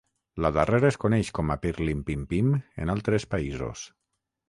La darrera es coneix com a "Pirlimpimpim" en altres països.